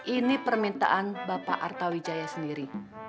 ini permintaan bapak arta wijaya sendiri